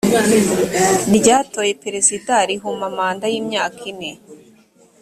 ryatoye perezida rimuha manda y imyaka ine